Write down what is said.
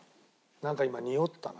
なんか今におったな。